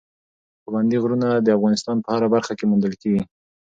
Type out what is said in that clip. پابندی غرونه د افغانستان په هره برخه کې موندل کېږي.